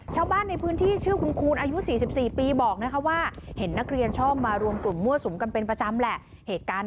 ชาวบ้านในพื้นที่ชื่อคุ้นอายุ๔๔ปีบอกนะคะว่า